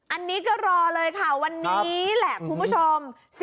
อันนี้ก็รอเลยค่ะวันนี้แหละคุณผู้ชม